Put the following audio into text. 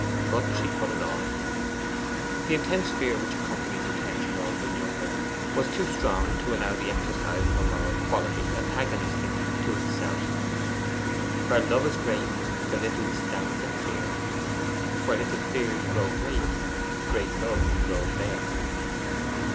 But she put it off. The intense fear which accompanies intense love in young women was too strong to allow the exercise of a moral quality antagonistic to itself: 'Where love is great, the littlest doubts are fear; Where little fears grow great, great love grows there.